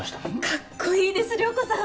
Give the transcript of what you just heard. かっこいいです涼子さん。